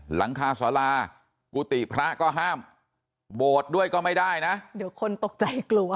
หลังคาสารากุฏิพระก็ห้ามโบสถ์ด้วยก็ไม่ได้นะเดี๋ยวคนตกใจกลัว